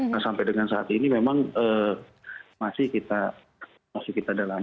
nah sampai dengan saat ini memang masih kita dalami